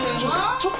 ちょっと。